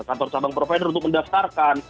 kantor cabang provider untuk mendaftarkan